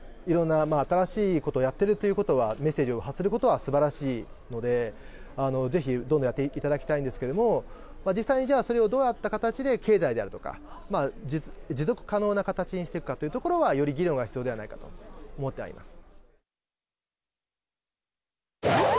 いろんな新しいことをやってるということは、メッセージを発することはすばらしいので、ぜひどんどんやっていただきたいんですけれども、実際に、じゃあそれをどういった形で経済であるとか、持続可能な形にしていくかというところは、より議論が必要ではないかと思ってはいます。